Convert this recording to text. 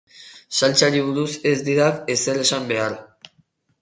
Saltsari buruz ez didak ezer esan behar.